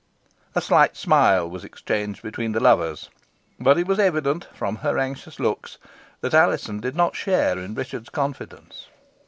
A slight smile was exchanged between the lovers; but it was evident, from her anxious looks, that Alizon did not share in Richard's confidence.